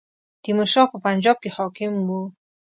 تیمور شاه په پنجاب کې حاکم وو.